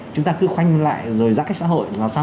chúng ta cứ khoanh lại rồi giãn cách xã hội